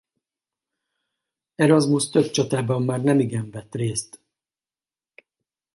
Erasmus több csatában már nemigen vett részt.